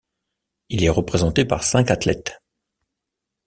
Il est représenté par cinq athlètes.